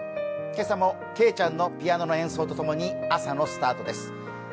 今朝もけいちゃんのピアノの演奏とともに朝のスタートです。